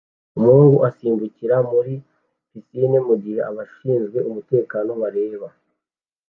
Umuhungu asimbukira muri pisine mugihe abashinzwe umutekano bareba